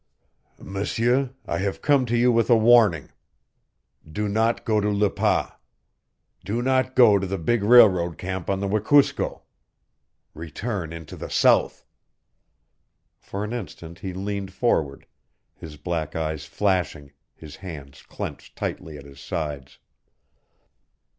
"M'seur, I have come to you with a warning. Do not go to Le Pas. Do not go to the big railroad camp on the Wekusko. Return into the South." For an instant he leaned forward, his black eyes flashing, his hands clenched tightly at his sides.